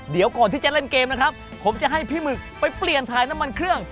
เดี๋ยวก่อนที่จะเล่นเกมนะครับผมจะให้พี่หมึกไปเปลี่ยนถ่ายน้ำมันเครื่อง